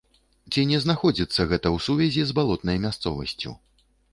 Ці не знаходзіцца гэта ў сувязі з балотнай мясцовасцю?